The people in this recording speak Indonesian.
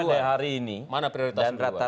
mana yang duluan mana prioritas yang duluan